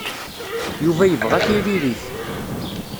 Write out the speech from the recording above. Yuba yebɣa tiririt.